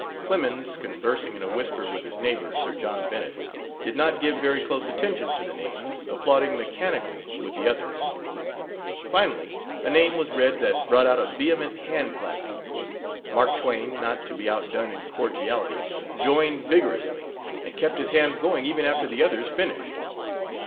Clemens, conversing in a whisper with his neighbor, Sir John Bennett, did not give very close attention to the names, applauding mechanically with the others. Finally, a name was read that brought out a vehement hand clapping. Mark Twain, not to be outdone in cordiality, joined vigorously, and kept his hands going even after the others finished.